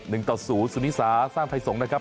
หนึ่งต่อสู่สุนิสาสร้างไทยสงฆ์นะครับ